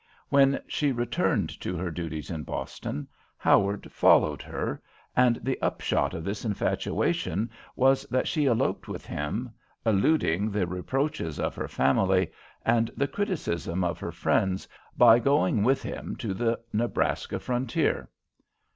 When she returned to her duties in Boston, Howard followed her, and the upshot of this infatuation was that she eloped with him, eluding the reproaches of her family and the criticism of her friends by going with him to the Nebraska frontier.